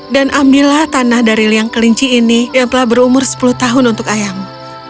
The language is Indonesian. ambillah tanah dari liang kelinci ini yang telah berumur sepuluh tahun untuk ayam